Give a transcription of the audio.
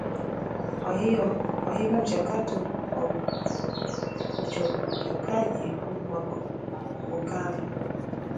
Kwa hivyo mchakato wa uchopekaji wa vokali